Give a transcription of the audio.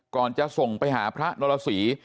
ก่อนจะส่งไปหาพระนรสี